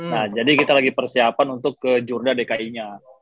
nah jadi kita lagi persiapan untuk ke jurda dki nya